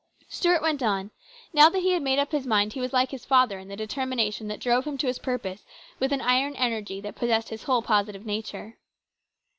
Stuart went on. Now that he had made up his mind, he was like his father in the determination that drove him to his purpose with an iron energy that possessed his whole positive nature.